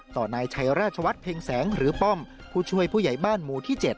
นายชัยราชวัฒน์เพ็งแสงหรือป้อมผู้ช่วยผู้ใหญ่บ้านหมู่ที่๗